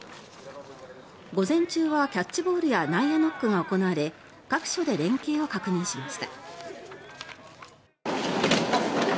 午前中は、キャッチボールや内野ノックが行われ各所で連係を確認しました。